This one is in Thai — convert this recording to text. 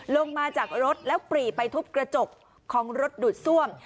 ลงมาจากรถแล้วปรีไปทุบกระจกของรถดูดซ่วม